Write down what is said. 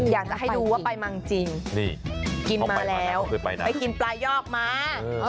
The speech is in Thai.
อยากจะให้ดูว่าไปมาจริงนี่กินมาแล้วไปกินปลายอกมา